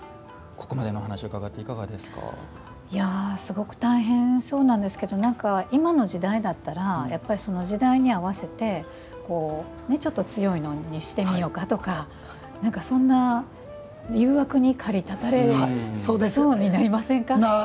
すごく大変そうなんですけど今の時代だったら時代に合わせてちょっと強いのにしてみようかとかそんな誘惑にかりたたれそうになりませんか。